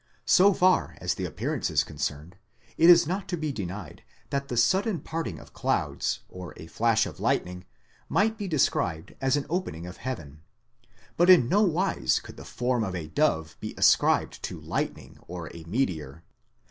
So far as the appear ance is concerned, it is not to be denied that the sudden parting of clouds, or a flash of lightning, might be described as an opening of heaven ; but in nowise could the form of a dove be ascribed to lightning or a meteor.